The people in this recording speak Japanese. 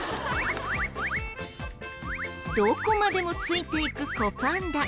どこまでもついていく子パンダ。